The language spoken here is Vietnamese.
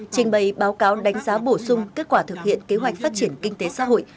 trình bày báo cáo đánh giá bổ sung kết quả thực hiện kế hoạch phát triển kinh tế xã hội